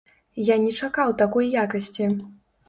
Я не чакаў такой якасці!